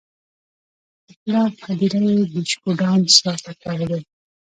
د پلار پر هدیره یې ډیشکو ډانس راته کړی دی.